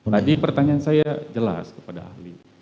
tadi pertanyaan saya jelas kepada ahli